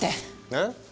えっ？